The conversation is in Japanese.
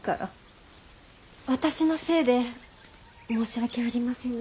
私のせいで申し訳ありませぬ。